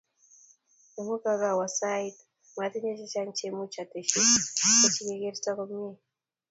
amu kagowo sait, matinye chechang Cha much atestyi ,meche kegertoo komnyei oret